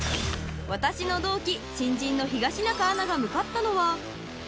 ［私の同期新人の東中アナが向かったのは］